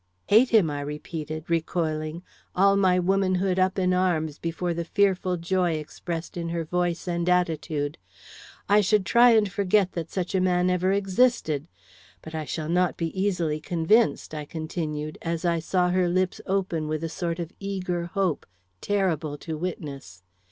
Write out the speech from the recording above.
"Hate him?" I repeated, recoiling, all my womanhood up in arms before the fearful joy expressed in her voice and attitude. "I should try and forget such a man ever existed. But I shall not be easily convinced," I continued, as I saw her lips open with a sort of eager hope terrible to witness.